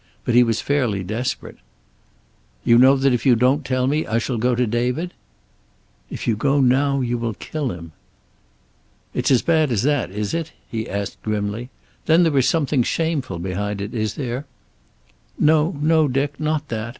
But he was fairly desperate. "You know that if you don't tell me, I shall go to David?" "If you go now you will kill him." "It's as bad as that, is it?" he asked grimly. "Then there is something shameful behind it, is there?" "No, no, Dick. Not that.